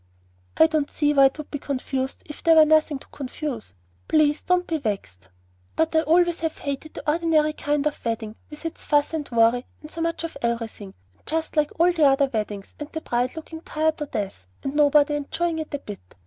"I don't see why it would be confused if there were nothing to confuse. Please not be vexed; but I always have hated the ordinary kind of wedding, with its fuss and worry and so much of everything, and just like all the other weddings, and the bride looking tired to death, and nobody enjoying it a bit.